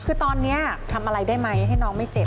คือตอนนี้ทำอะไรได้ไหมให้น้องไม่เจ็บ